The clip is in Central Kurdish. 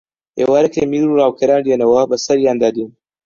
ئێوارە کە میر و ڕاوکەران دێنەوە بەسەریاندا دێن